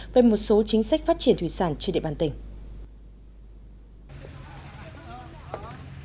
về một số chính sách phát triển thủy sản trên địa bàn tỉnh